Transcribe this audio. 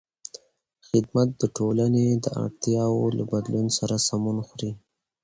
خدمت د ټولنې د اړتیاوو له بدلون سره سمون خوري.